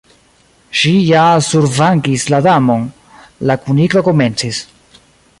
"Ŝi ja survangis la Damon" la Kuniklo komencis.